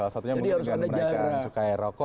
salah satunya menaikkan cukai rokok